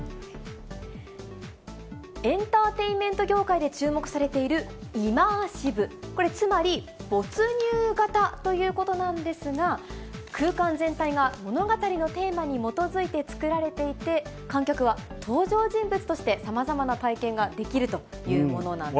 エンターテインメント業界で注目されているイマーシブ、これ、つまり没入型ということなんですが、空間全体が物語のテーマに基づいて作られていて、観客は登場人物としてさまざまな体験ができるというものなんです。